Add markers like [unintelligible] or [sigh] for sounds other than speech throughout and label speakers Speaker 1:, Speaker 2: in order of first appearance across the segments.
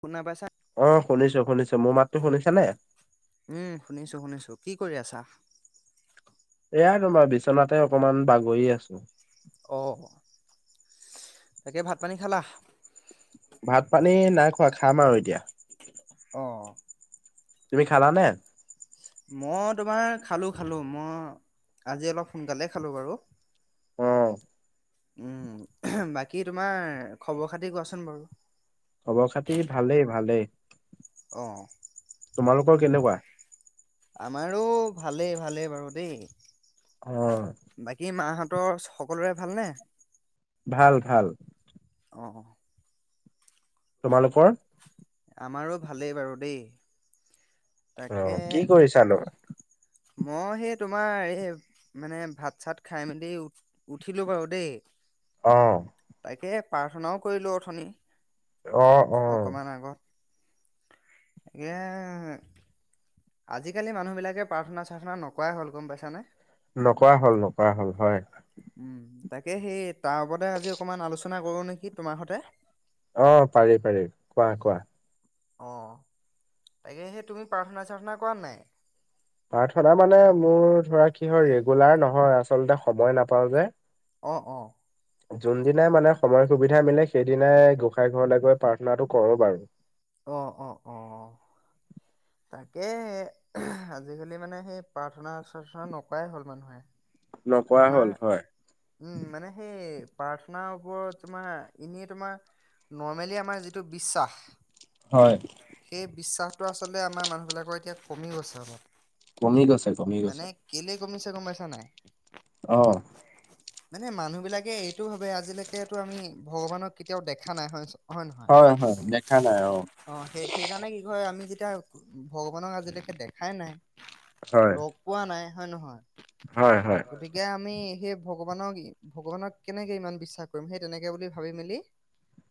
Speaker 1: শুনা পাইছা
Speaker 2: অ', শুনিছো-শুনিছো, মোৰ মাত
Speaker 1: উম', শুনিছো শুনিছো, কি কৰি আছা?
Speaker 2: এয়া তোমাৰ বিচনাতে অকমান বাগৰি আছো।
Speaker 1: অ', তাকে ভাত পানী খালা?
Speaker 2: ভাত পানী নাই খোৱা, খাম আৰু এতিয়া
Speaker 1: অ'
Speaker 2: তুমি খালা নে?
Speaker 1: মই তোমাৰ খালো-খালো, মই আজি অলপ সোনকালে খালো বাৰু
Speaker 2: অ'
Speaker 1: উম', বাকী তোমাৰ খবৰ খাতি কোৱাচোন বাৰু
Speaker 2: খবৰ খাতি ভালেই-ভালেই,
Speaker 1: অ'।
Speaker 2: তোমালোকৰ কেনেকুৱা?
Speaker 1: আমাৰো ভালেই-ভালেই বাৰু দেই।
Speaker 2: অ'।
Speaker 1: বাকী মাহঁতৰ সকলোৰে ভালনে?
Speaker 2: ভাল-ভাল।
Speaker 1: অ', অ'।
Speaker 2: তোমালোকৰ?
Speaker 1: আমাৰো ভালেই বাৰু দেই।
Speaker 2: অ
Speaker 1: তাকে
Speaker 2: কি কৰিছানো
Speaker 1: মই সেই তোমাৰ এই মানে ভাত-চাত খাই মেলি উঠিলো বাৰু দেই।
Speaker 2: অ'।
Speaker 1: তাকে প্ৰাৰ্থনাও কৰিলোঁ অথনি,
Speaker 2: অ অ
Speaker 1: অকণমান আগত। এ আজিকালি মানুহ বিলাকে প্ৰাৰ্থনা-চাৰ্থনা নকৰাই হ'ল গম পাইছানে?
Speaker 2: নকৰা হ'ল, নকৰা হ'ল, হয়।
Speaker 1: উম', তাকে সেই তাৰ ওপৰতে আজি অকমান আলোচনা কৰো নেকি তোমাৰ সতে?
Speaker 2: অ', পাৰি-পাৰি, কোৱা-কোৱা।
Speaker 1: অ', তাকে সেই তুমি প্ৰাৰ্থনা-চাৰ্থনা কৰা নাই?
Speaker 2: প্ৰাৰ্থনা মানে মোৰ ধৰা কি হয়, ৰেগুলাৰ নহয়, আচলতে সময় নাপাও যে
Speaker 1: অ', অ'।
Speaker 2: যোন দিনাই মানে সময় সুবিধা মিলে সেইদিনাই গোঁসাই ঘৰলে গৈ প্ৰাৰ্থনাটো কৰো বাৰু।
Speaker 1: অ', অ', অ'। তাকেহে, আজিকালি মানে সেই, প্ৰাৰ্থনা-চাৰ্থনা নকৰাই হ'ল মানুহে।
Speaker 2: নকৰা
Speaker 1: তোমাৰ,
Speaker 2: হ'ল হয়।
Speaker 1: উম', মানে সেই প্ৰাৰ্থনাৰ ওপৰত তোমাৰ, এনেই তোমাৰ নৰ্মেলি আমাৰ যিটো বিশ্বাস
Speaker 2: হয়।
Speaker 1: সেই বিশ্বাসটো আচলতে আমাৰ মানুহবিলাকৰ এতিয়া কমি গৈছে অলপ।
Speaker 2: কমি গৈছে, কমি
Speaker 1: মানে
Speaker 2: গৈছে।
Speaker 1: কেলে কমিছে গ'মপাইছা নাই?
Speaker 2: অ'।
Speaker 1: মানে মানুহে বিলাকে এইটো ভাবে আজিলৈকেতো আমি ভগৱানক কেতিয়াও দেখা নাই হয় নহয়
Speaker 2: হয়, হয় দেখা নাই অ'।
Speaker 1: অ', সেই সেইকাৰণে কি কয় আমি যেতিয়া ভগৱানক আজিলৈকে দেখাই নাই
Speaker 2: হয়
Speaker 1: লগ পোৱা নাই হয়
Speaker 2: হয় হয়
Speaker 1: নহয় গতিকে আমি সেই ভগৱানক ভগৱানক কেনেকে ইমান বিশ্বাস কৰিম সেই তেনেকে বুলি ভাবি মেলি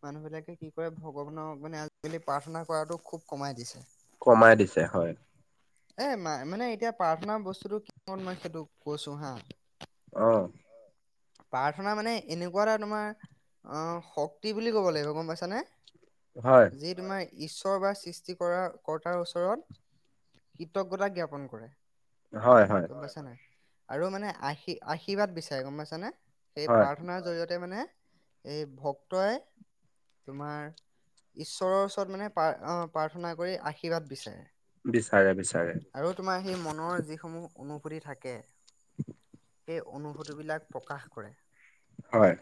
Speaker 1: মানুহ বিলাকে কি কৰে ভগৱানক মানে আজিকালি প্ৰাৰ্থনা কৰাটো খুব কমাই দিছে।
Speaker 2: কমাই দিছে হয়।
Speaker 1: এ মা মানে এতিয়া প্ৰাৰ্থনা বস্তুতটো কি মই সেইটো কৈছোঁ [unintelligible]
Speaker 2: অ'।
Speaker 1: প্ৰাৰ্থনা মানে এনেকুৱা এটা তোমাৰ অহ শক্তি বুলি ক'ব লাগিব গ'ম পাইছানে।
Speaker 2: হয়।
Speaker 1: যি তোমাৰ ঈশ্বৰ বা সৃষ্টি কৰা-কৰ্তাৰ ওচৰত কৃতজ্ঞতা জ্ঞাপন কৰে।
Speaker 2: হয়, হয়।
Speaker 1: গ'ম পাইছানে আৰু মানে আশী আশীৰ্বাদ বিচাৰে গ'ম পাইছানে। সেই
Speaker 2: হয়
Speaker 1: প্ৰাৰ্থনাৰ জৰিয়তে মানে এই ভক্তয়ে তোমাৰ ঈশ্বৰৰ ওচৰত মানে আহ প্ৰাৰ্থনা কৰি আশীৰ্বাদ বিচাৰে।
Speaker 2: বিচাৰে
Speaker 1: দি
Speaker 2: বিচাৰে
Speaker 1: খাৰ দি আৰু তোমাৰ সেই মনৰ যি সমূহ অনুভূতি থাকে সেই অনুভূতিবিলাক প্ৰকাশ কৰে।
Speaker 2: হয়।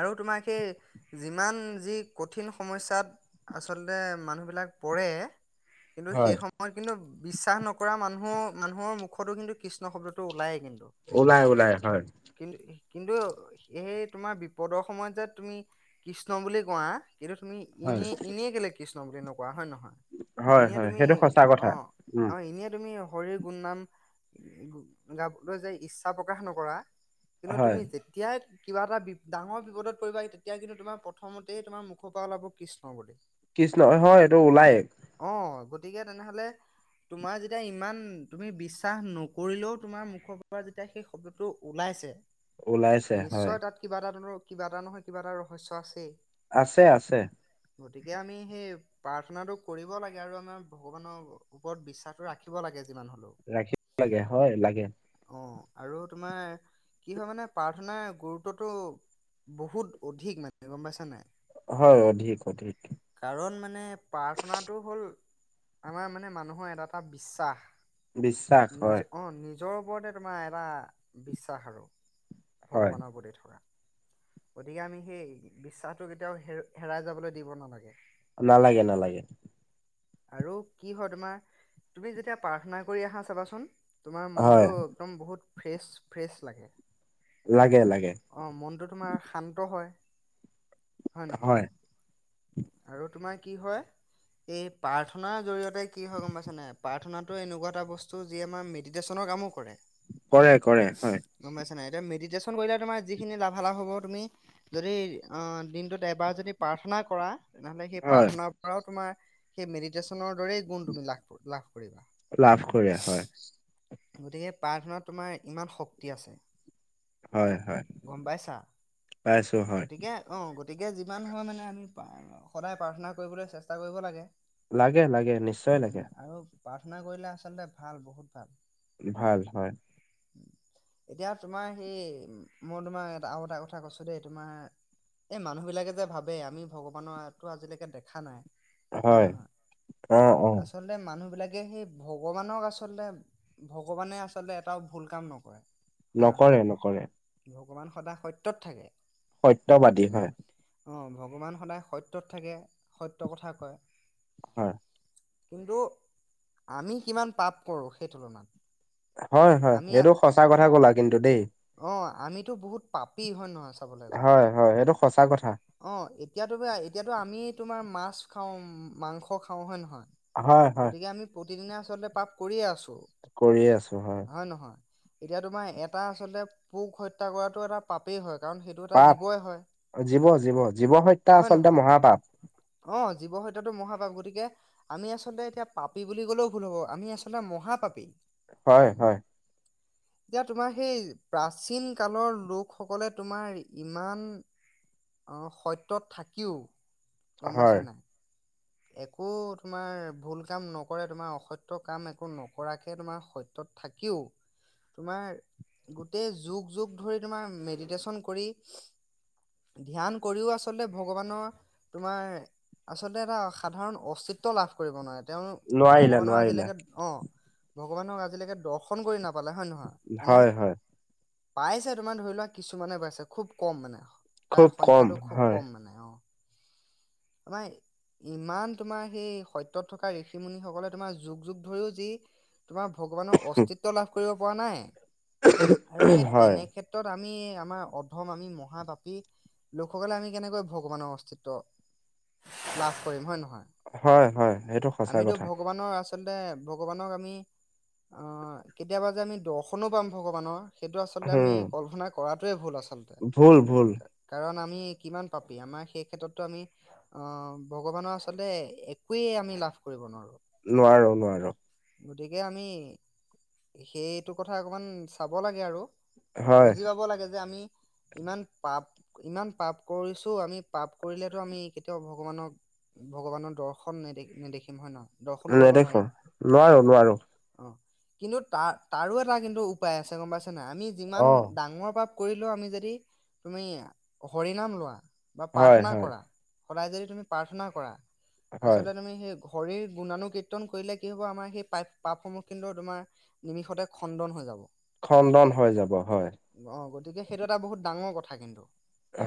Speaker 1: আৰু তোমাৰ সেই যিমান যি কঠিন সমস্যাত আচলতে মানুহবিলাক পৰে কিন্তু
Speaker 2: হয়
Speaker 1: সেই সময় কিন্তু বিশ্বাস নকৰা মানুহ মানুহৰ মুখতো কিন্তু কৃষ্ণ শব্দটো ওলায়েই কিন্তু।
Speaker 2: ওলাই, ওলাই হয়।
Speaker 1: কিন্তু, কিন্তু সেই তোমাৰ বিপদৰ সময়ত যে তুমি কৃষ্ণ বুলি কোৱা, কিন্তু তুমি
Speaker 2: হয়
Speaker 1: এনে এনেয়ে কেলে কৃষ্ণ বুলি নকোৱা হয় নে নহয়।
Speaker 2: হয়
Speaker 1: এনে
Speaker 2: হয়
Speaker 1: তুমি
Speaker 2: সেইটো সঁচা কথা
Speaker 1: অ',
Speaker 2: উম।
Speaker 1: অ', এনেয়ে তুমি শৰীৰ গুণ নাম গাবলৈ যে ইচ্ছা প্ৰকাশ নকৰা কিন্তু
Speaker 2: হয়
Speaker 1: তুমি যেতিয়াই কিবা এটা বি ডাঙৰ বিপদত পৰিব তেতিয়া কিন্তু তোমাৰ প্ৰথমতেই তোমাৰ মুখৰ পৰা ওলাব কৃষ্ণ বুলি।
Speaker 2: কৃষ্ণ হয় এইটো ওলায়।
Speaker 1: অ', গতিকে তেনেহলে তোমাৰ যেতিয়া ইমান তুমি বিশ্বাস নকৰিলেও তোমাৰ মুখৰ পৰা যেতিয়া সেই শব্দটো ওলাইছে
Speaker 2: ওলাইছে হয়
Speaker 1: নিশ্চয় তাত কিবা এটা কিবা এটা নহয় কিবা এটা ৰহস্য আছেই।
Speaker 2: আছে, আছে।
Speaker 1: গতিকে আমি সেই প্ৰাৰ্থনাটো কৰিব লাগে আৰু আমাৰ ভগৱানৰ ওপৰত বিশ্বাসটো ৰাখিব লাগে যিমান হ'লেও।
Speaker 2: ৰাখিব লাগে হয় লাগে।
Speaker 1: অ', আৰু তোমাৰ কি হয় মানে প্ৰাৰ্থনাৰ গুৰুত্বটো বহুত অধিক মানে গ'ম পাইছা নাই।
Speaker 2: হয় অধিক, অধিক।
Speaker 1: কাৰণ মানে প্ৰাৰ্থনাটো হ'ল আমাৰ মানে মানুহৰ এটা এটা বিশ্বাস
Speaker 2: বিশ্বাস হয়
Speaker 1: নিজৰ অ' নিজৰ ওপৰতে তোমাৰ এটা বিশ্বাস আৰু।
Speaker 2: হয়
Speaker 1: ভগৱানৰ প্ৰতি থকা। গতিকে আমি সেই বিশ্বাসটো কেতিয়াও হেৰাই যাবলৈ দিব নালাগে।
Speaker 2: নালাগে নালাগে।
Speaker 1: আৰু কি হয় তোমাৰ, তুমি যেতিয়া প্ৰাৰ্থনা কৰি আহা চাবাচোন। তোমাৰ মনটো
Speaker 2: হয়
Speaker 1: একদম বহুত ফ্ৰেছ ফ্ৰেছ লাগে।
Speaker 2: লাগে লাগে।
Speaker 1: অ' মনটো তোমাৰ শান্ত হয়, হয় নহয়? আৰু তোমাৰ কি হয় এই প্ৰাৰ্থনাৰ জৰিয়তে কি হয় গম পাইছানে, প্ৰাৰ্থনাটো এনেকুৱা এটা বস্তু যি আমাৰ ম মেডিটেশ্যনৰ কামো কৰে।
Speaker 2: কৰে কৰে হয়।
Speaker 1: গম পাইছা নাই, এতিয়া মেডিটেশ্যন কৰিলে তোমাৰ যিখিনি লাভালভ হ'ব তুমি যদি, দিনটোত এবাৰ যদি প্ৰাৰ্থনা কৰা, তেনেহ'লে সেই
Speaker 2: হয়
Speaker 1: প্ৰাৰ্থনাৰ পৰাও তোমাৰ সেই মেডিটেচনৰ দৰেই গুণ তুমি লাভ, লাভ কৰিবা।
Speaker 2: লাভ কৰে হয়।
Speaker 1: গতিকে প্ৰাৰ্থনাত তোমাৰ ইমান শক্তি আছে।
Speaker 2: হয় হয়
Speaker 1: গম পাইছা,
Speaker 2: পাইছো হয়
Speaker 1: গতিকে অ' গতিকে যিমান হয় মানে আমি সদায় প্ৰাৰ্থনা কৰিবলৈ চেষ্টা কৰিব লাগে।
Speaker 2: লাগে লাগে নিশ্চয় লাগে।
Speaker 1: উম আৰু প্ৰাৰ্থনা কৰিলে আচলতে ভাল, বহুত ভাল।
Speaker 2: ভাল হয়।
Speaker 1: এতিয়া তোমাৰ সেই, মই তোমাৰ এ আৰু এটা কথা কৈছো দেই তোমাৰ এই মানুহবিলাকে যে ভাবে, আমি ভগৱানৰটো আজিলৈকে দেখা নাই। হয় নহয়,
Speaker 2: অ অ
Speaker 1: আচলতে মানুহ বিলাকে সেই ভগৱানক আচলতে ভগৱানে আচলতে এটাও ভুল কাম নকৰে, হয় নহয়?
Speaker 2: নকৰে নকৰে
Speaker 1: ভগৱান সদায় সত্যত থাকে।
Speaker 2: সত্যবাদী হয়।
Speaker 1: অ' ভগৱান সদায় সত্যত থাকে, সত্য কথা কয়।
Speaker 2: হয়।
Speaker 1: কিন্তু, আমি কিমান পাপ কৰোঁ সেই তুলনাত।
Speaker 2: হয় হয়,
Speaker 1: আমি
Speaker 2: এইটো সঁচা কথা ক'লা কিন্তু দেই।
Speaker 1: অ', আমিতো বহুত পাপি হয় নহয় চাবলৈ গ'লে?
Speaker 2: হয় হয়, সেইটো সঁচা কথা।
Speaker 1: অ' এতিয়াতো, এতিয়াতো আমি তোমাৰ মাছ খাওঁ, মাংস খাওঁ, হয়নে নহয়?
Speaker 2: হয় হয়
Speaker 1: গতিকে আমি প্ৰতিদিনে আচলতে পাপ কৰিয়ে আছো।
Speaker 2: কৰিয়ে আছো হয়।
Speaker 1: হয় নহয়, এতিয়া তোমাৰ এটা আচলতে পোক হত্যা কৰাটো এটা পাপেই হয়, কাৰণ সেইটো এটা
Speaker 2: পাপ
Speaker 1: জীৱই হয়।
Speaker 2: জীৱ জীৱ, জীৱ হত্যা
Speaker 1: হয়
Speaker 2: আচলতে
Speaker 1: নহয়
Speaker 2: মহাপাপ।
Speaker 1: অ', জীৱ হত্যাটো মহাপাপ, গতিকে আমি আচলতে এতিয়া পাপী বুলি ক'লেও ভুল হব, আমি আচলতে মহাপাপী।
Speaker 2: হয় হয়।
Speaker 1: [inaudible] এতিয়া তোমাৰ সেই প্ৰাচীন কালৰ লোকসকলে তোমাৰ ইমান অ' সত্যত, থাকিও, গম পাইচা
Speaker 2: হয়
Speaker 1: নাই? একো তোমাৰ ভুল, কাম নকৰে তোমাৰ অসত্য, কাম একো নকৰাকে তোমাৰ সত্য তত থাকিও তোমাৰ, গোটেই যুগ যুগ ধৰি তোমাৰ মেডিটেশ্যন, কৰি ধ্যান, কৰিও আচলতে ভগৱানৰ, তোমাৰ আচলতে এটা সাধাৰণ অস্তিত্ব লাভ কৰিব নোৱাৰে তেওঁল
Speaker 2: নোৱাৰিলে
Speaker 1: ভগৱানৰ,
Speaker 2: নোৱাৰিলে
Speaker 1: আজিলৈকে অ ভগৱানক আজিলৈকে দৰ্শ ফোন কৰি নাপালে হয় নহয় মানে।
Speaker 2: হয় হয়
Speaker 1: পাইছে তোমাৰ ধৰি লোৱা কিছুমানে পাইছে খুব কম মানে তাৰ
Speaker 2: খুব কম
Speaker 1: সংখ্যটো খুব
Speaker 2: হয়
Speaker 1: কম মানে অ [inaudible] ইমান তোমাৰ সেই সত্যত, থকা ঋষি, মুুনি সকলে তোমাৰ যুগ যুগ ধৰিও যি তোমাৰ ভগৱানৰ অস্তিত্ব লাভ কৰিব পৰা নাই। আৰু সেই
Speaker 2: হয়
Speaker 1: তেনেক ক্ষেত্ৰত আমি আমাৰ অধম আমি মহাপাপী, লোকসকলে আমি কেনেকৈ ভগৱানৰ, অস্তিত্ব। লাভ কৰিম হয়ে নহয়।
Speaker 2: হয় হয় সেইটো সঁচা
Speaker 1: আমিতো
Speaker 2: কথা
Speaker 1: ভগৱানৰ, আচ আচলতে ভগৱানক, আমি অ কেতিয়াবা যে আমি দৰ্শনো পাম ভগৱানৰ। সেইটো আচলতে আমি
Speaker 2: উম
Speaker 1: কল্পনা কৰাটোৱে ভুল আচলতে
Speaker 2: ভুল ভুল
Speaker 1: কাৰণ আমি কিমান পাপী, আমাৰ সেই ক্ষেত্ৰতো আমি। অ ভগৱানৰ, আচলতে একুইয়ে আমি লাভ কৰিব নোৱাৰো।
Speaker 2: নোৱাৰো নোৱাৰো।
Speaker 1: গতিকে আমি, সেইটো কথা অকমান চাব লাগে আৰু।
Speaker 2: হয়
Speaker 1: বুজি পাব লাগে যে আমি ইমান পাপ, ইমান পাপ কৰিছো। আমি পাপ কৰিলেতো আমি এতিয়াও ভগৱানক, ভগৱানৰ দৰ্শন নেদে নেদেখিম হয় নে নহয়? দৰ্শন কৰিব
Speaker 2: নেদেখো
Speaker 1: নোৱাৰিম।
Speaker 2: নোৱাৰো নোৱাৰো
Speaker 1: অ কিন্তু তাৰ তাৰো এটা কিন্তু উপায় আছে গম পাইছে নাই আমি যিমান
Speaker 2: অ
Speaker 1: ডাঙৰ পা কৰিলেও আমি যদি তুমি হৰিনাম, লোৱা বা
Speaker 2: হয়
Speaker 1: প্ৰাৰ্থনা,
Speaker 2: হয়
Speaker 1: কৰা। সদায় যদি তুমি প্ৰাৰ্থনা, কৰা।
Speaker 2: হয়
Speaker 1: আচলতে তুমি সেই হৰিৰ গুণানুকীৰ্তন, কৰিলে কি হ'ব আমাৰ সেই পাই পাপসমূহ তোমাৰ নিমিষতে খণ্ডন হৈ যাব।
Speaker 2: খণ্ডন হৈ যাব হয়।
Speaker 1: অ গতিকে সেইটো এটা বহুত ডাঙৰ কথা। কিন্তু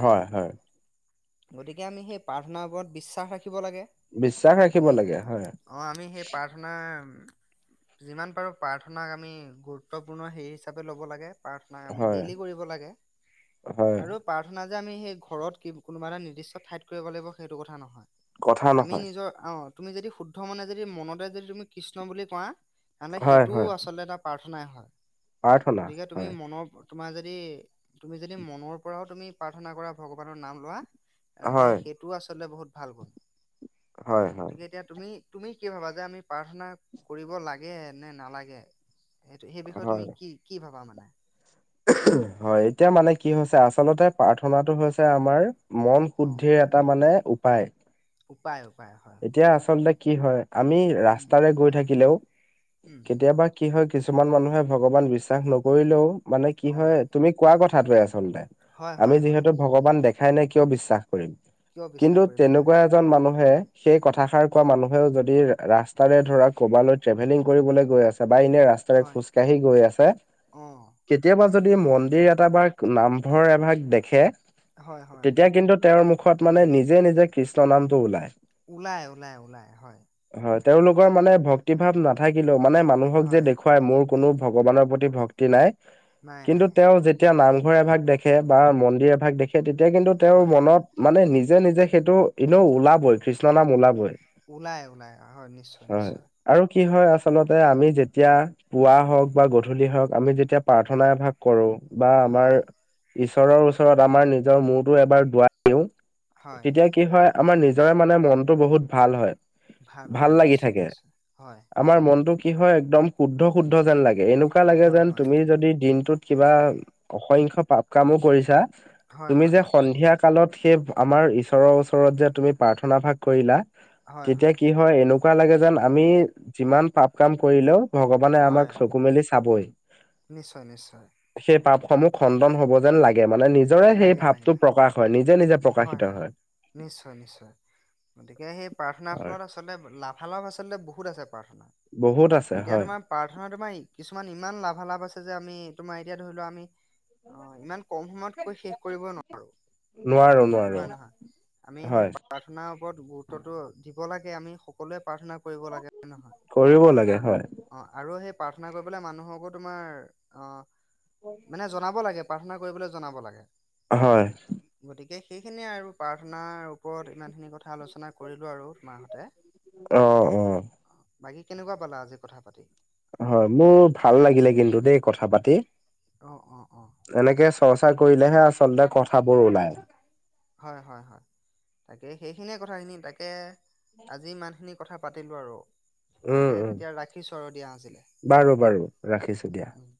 Speaker 2: হয় হয়।
Speaker 1: গতিকে আমি সেই প্ৰাৰ্থনাৰ, ওপৰত বিশ্বাস ৰাখিব লাগে।
Speaker 2: বিশ্বাস ৰাখিব
Speaker 1: আমি
Speaker 2: লাগে হয়
Speaker 1: অ আমি সেই প্ৰাৰ্থনা প্ৰাৰ্থনা যিমান পাৰো প্ৰাৰ্থনাক, আমি গুৰুত্বপূৰ্ণ সেই হিচাপে ল'ব লাগে। প্ৰাৰ্থনা, আমি
Speaker 2: হয়
Speaker 1: ডেইলি কৰিব লাগে।
Speaker 2: হয়
Speaker 1: আৰু প্ৰাৰ্থনা, যে আমি সেই ঘৰত কোনোবা এটা নিৰ্দিষ্ট ঠাই কৰিব লাগিব সেইটো কথা নহয়।
Speaker 2: কথা
Speaker 1: আমি
Speaker 2: নহয়
Speaker 1: নিজৰ অ তুমি যদি শুদ্ধ মনে যদি মনতে যদি তুমি কৃষ্ণ, বুলি কোৱা। তেহ'লে
Speaker 2: হয় হয়
Speaker 1: সেইটোও আচলতে এটা প্ৰাৰ্থনাই হয়।
Speaker 2: প্ৰাৰ্থনা
Speaker 1: গতিকে তুমি
Speaker 2: হয়
Speaker 1: মনৰ তোমাৰ যদি তুমি যদি মনৰ পৰাও তুমি প্ৰাৰ্থনা কৰা। ভগৱানৰ নাম লোৱা তেনেহ'লে
Speaker 2: হয়
Speaker 1: এইটো আচলতে বহুত ভাল গুণ
Speaker 2: হয় হয়
Speaker 1: গতিকে এতিয়া তুমি তুমি কি ভাবা যে আমি প্ৰাৰ্থনা, কৰিব লাগে নে নালাগে। সেইটো, সেই বিষয়ে তুমি
Speaker 2: হয়
Speaker 1: কি, কি ভাবা মানে?
Speaker 2: হয়, এতিয়া মানে কি হৈছে আচলতে, প্ৰাৰ্থনাটো হৈছে আমাৰ মন
Speaker 1: অ'
Speaker 2: শুদ্ধিৰ এ এটা মানে উপায়।
Speaker 1: উপায় উপায়, হয়।
Speaker 2: এতিয়া আচলতে কি হয়? আমি
Speaker 1: উম,
Speaker 2: ৰাস্তাৰে গৈ থাকিলেও,
Speaker 1: উম,
Speaker 2: কেতিয়াবা কি হয়, কিছুমান মানুহে ভগৱান বিশ্বাস নকৰিলেও, মানে কি হয়?
Speaker 1: অ'
Speaker 2: তুমি কোৱা কথাটোৱেই আচলতে,
Speaker 1: হয়
Speaker 2: আমি
Speaker 1: হয় হয়।
Speaker 2: যিহেতু ভগৱান দেখাই নাই, কিয় বিশ্বাস কৰিম?
Speaker 1: কিয় বিশ্বাস
Speaker 2: কিন্তু
Speaker 1: কৰিম হয়
Speaker 2: তেনেকুৱা এজন মানুহে সেই কথাষাৰ কোৱা মানুহেও যদি, ৰাস্তাৰে ধৰা কবালৈ ট্ৰেভেলিং কৰিবলৈ গৈ আছে বা এনে ৰা স্তাৰে
Speaker 1: হয়
Speaker 2: খোজকাঢ়ি গৈ আছে।
Speaker 1: অঁ
Speaker 2: কেতিয়াবা যদি মন্দিৰ এটা বা নামঘৰ এভাগ দেখে
Speaker 1: হয় হয়
Speaker 2: তেতিয়া কিন্তু তেওঁৰ মুখত মানে, নিজে নিজে কৃষ্ণ নামটো ওলায়।
Speaker 1: ওলায় ওলায় ওলায়, হয়।
Speaker 2: হয়, তেওঁলোকৰ মানে ভক্তি ভাৱ নাথাকিলেও, মানে মানুহক যে
Speaker 1: হয়
Speaker 2: দেখুৱাই, মোৰ কোনো ভগৱানৰ প্ৰতি ভক্তি নাই,
Speaker 1: নাই
Speaker 2: কিন্তু
Speaker 1: নাই
Speaker 2: তেওঁ তেতিয়া নামঘৰ এভাগ দেখে বা মন্দিৰ এভাগ দেখে, তেতিয়া কিন্তু তেওঁৰ
Speaker 1: হয়
Speaker 2: মনত মানে নিজে নিজে সেইটো, ইনেও ওলাবই খ্ৰীষ্ট
Speaker 1: ওলাই ওলাই হয়, নিশ্চয়
Speaker 2: হয়।
Speaker 1: নিশ্চয়।
Speaker 2: আৰু কি হয় আচলতে, আমি যেতিয়া পুৱা হওক বা গধূলি হওঁক, আমি যেতিয়া প্ৰাৰ্থনা এভাগ কৰো বা
Speaker 1: হয়
Speaker 2: আমাৰ ঈশ্বৰৰ ওচৰত আমাৰ নিজৰ মূৰতো এবাৰ দুৱাই দিওঁ।
Speaker 1: হয়
Speaker 2: তেতিয়া কি হয়? আমাৰ নিজৰে মানে মনটো বহুত ভাল হয়। ভাল
Speaker 1: হয়
Speaker 2: লাগি
Speaker 1: নিশ্চয়
Speaker 2: থাকে।
Speaker 1: নিশ্চয় হয়
Speaker 2: আমাৰ মনটো কি হয়? একদম শুদ্ধ শুদ্ধ যেন লাগে, এনেকুৱা লাগে
Speaker 1: হয়
Speaker 2: যেন
Speaker 1: হয়
Speaker 2: তুমি যদি দিনটোত কিবা অসংখ্য পাপ কামো কৰিছা,
Speaker 1: হয়
Speaker 2: তুমি
Speaker 1: হয়
Speaker 2: যে সন্ধিয়া কালত সেই আমাৰ ঈশ্বৰৰ ওচৰত যে তুমি প্ৰাৰ্থনা ভাগ কৰিলা তেতিয়া কি হয়? এনেকুৱা লাগে যেন, আমি যিমান পাপ কাম কৰিলেও ভগৱানে আমাক
Speaker 1: হয়
Speaker 2: চকু মেলি চাবই।
Speaker 1: নিশ্চয় নিশ্চয়।
Speaker 2: সেই পাপসমূহ খণ্ডন হব যেন লাগে, মানে নিজৰে সেই
Speaker 1: লাগে
Speaker 2: ভাপটো
Speaker 1: লাগে
Speaker 2: প্ৰকাশ হয়, নিজে নিজে
Speaker 1: হয় হয়, নিশ্চয় নিশ্চয়, গতিকে সেই প্ৰাৰ্থনাৰ
Speaker 2: হয়
Speaker 1: ফলত আচ আচলতে, লাভালাভ আচলতে বহুত আছে প্ৰাৰ্থনাৰ।
Speaker 2: বহুত আছে, হয়।
Speaker 1: প্ৰাৰ্থনাৰ তোমাৰ কিছুমান ইমান লাভালাভ আছে যে, আমি তোমাৰ এতিয়া ধৰি লোৱা আমি, অ', ইমান কম সময়ত কৰি শেষ কৰিব [unintelligible]
Speaker 2: নোৱাৰোঁ।
Speaker 1: হয় নে নহয়? আমি সেই প্ৰাৰ্থনাৰ ওপৰত গুৰুত্বটো দিব লাগে, আমি সকলোৱেই প্ৰাৰ্থনা কৰিব লাগে নহয়
Speaker 2: কৰিবও লাগে হয়।
Speaker 1: অ' আৰু সেই প্ৰাৰ্থনা কৰিবলৈ মানুহকো তোমাৰ অ', মানে জনাব লাগে। প্ৰাৰ্থনা কৰিবলৈ জনাব লাগে।
Speaker 2: হয়।
Speaker 1: গতিকে সেইখিনিয়েই আৰু, প্ৰাৰ্থনাৰ ওপৰত ইমানখিনি কথা আলোচনা কৰিলো আৰু তোমাৰসৈতে।
Speaker 2: অ', অ'।
Speaker 1: অ', বাকী কেনেকুৱা পালা আজি কথা পাতি?
Speaker 2: হয়, মোৰ ভাল লাগিলে কিন্তু দেই, কথা পাতি।
Speaker 1: অ' অ' অ'।
Speaker 2: এনেকে চৰ্চা কৰিলেহে আচলতে কথাবোৰ ওলায়।
Speaker 1: হয়, হয়, হয়। তাকে সেইখিনিয়ে কথাখিনি, তাকে আজি ইমানখিনি কথা পাতিলোঁ আৰু।
Speaker 2: উম
Speaker 1: তাকে
Speaker 2: উম
Speaker 1: তেতিয়া ৰাখি আৰু দিয়া আজিলে
Speaker 2: বাৰু বাৰু ৰাখিছো দিয়া
Speaker 1: উম, উম।